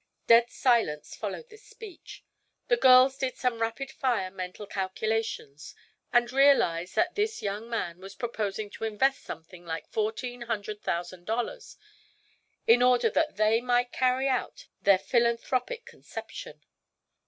Dead silence followed this speech. The girls did some rapid fire mental calculations and realized that this young man was proposing to invest something like fourteen hundred thousand dollars, in order that they might carry out their philanthropic conception.